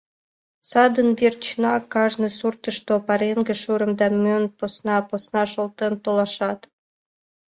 Садын верчынак кажне суртышто пареҥге шӱрым да монь посна-посна шолтен толашат.